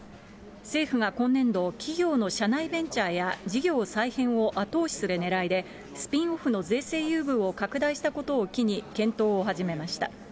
政府は今年度、企業の社内ベンチャーや事業再編を後押しする狙いで、スピンオフの税制優遇を拡大したことを機に、検討を始めました。